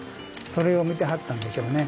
それを見てはったんでしょうね。